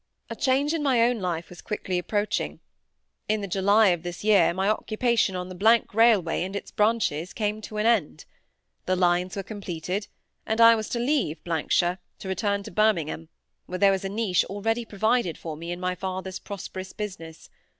A change in my own life was quickly approaching. In the July of this year my occupation on the —— railway and its branches came to an end. The lines were completed, and I was to leave ——shire, to return to Birmingham, where there was a niche already provided for me in my father's prosperous business.